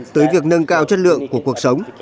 tới việc nâng cao chất lượng của cuộc sống